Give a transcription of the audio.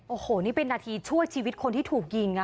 โอ้โหนี่เป็นนาทีช่วยชีวิตคนที่ถูกยิง